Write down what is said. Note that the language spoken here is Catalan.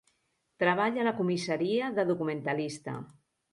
Treballa a la comissaria de documentalista.